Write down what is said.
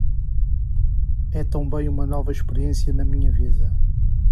É também uma nova experiência na minha vida.